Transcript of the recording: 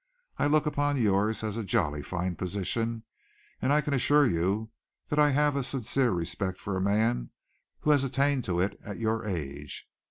I look upon yours as a jolly fine position, and I can assure you that I have a sincere respect for a man who has attained to it at your age.